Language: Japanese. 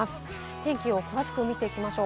天気を詳しく見ていきましょう。